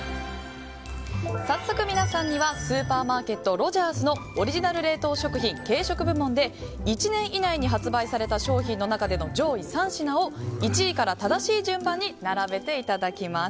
早速、皆さんにはスーパーマーケットロヂャースのオリジナル冷凍食品軽食部門で１年以内に発売された商品の中での上位３品を１位から正しい順番に並べていただきます。